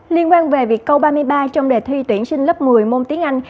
liên quan về việc câu ba mươi ba trong đề thi tuyển sinh lớp một mươi môn tiếng anh